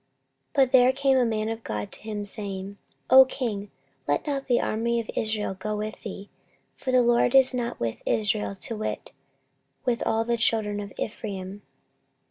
14:025:007 But there came a man of God to him, saying, O king, let not the army of Israel go with thee; for the LORD is not with Israel, to wit, with all the children of Ephraim.